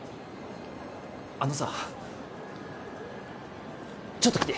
あのさちょっと来て！